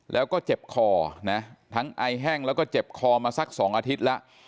แล้วก็เจ็บคอนะทั้งไอแห้งแล้วก็เจ็บคอมาสัก๒อาทิตย์แล้ว